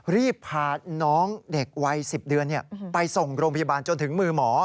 รีบพาน้องเด็กวัย๑๐เดือนไปส่งโรงพยาบาลจนถึงมือหมอ